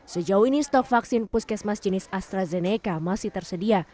sejauh ini stok vaksin puskesmas jenis astrazeneca masih tersedia